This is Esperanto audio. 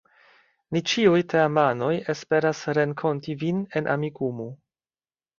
Ni ĉiuj teamanoj esperas renkonti vin en Amikumu.